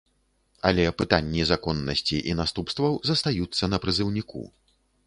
Але пытанні законнасці і наступстваў застаюцца на прызыўніку.